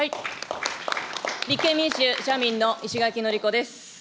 立憲民主・社民の石垣のりこです。